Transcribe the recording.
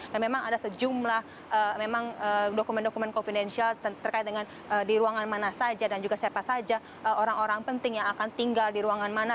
dan memang ada sejumlah dokumen dokumen confidential terkait dengan di ruangan mana saja dan juga siapa saja orang orang penting yang akan tinggal di ruangan mana